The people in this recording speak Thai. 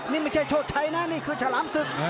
นี่ไม่ใช่โชชัยนะนี่คือฉลามศึก